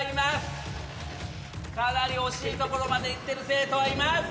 かなり惜しいところまで行ってる生徒はいます。